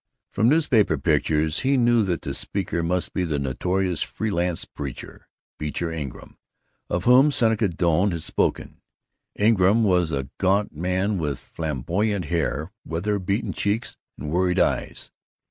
From newspaper pictures he knew that the speaker must be the notorious freelance preacher, Beecher Ingram, of whom Seneca Doane had spoken. Ingram was a gaunt man with flamboyant hair, weather beaten cheeks, and worried eyes.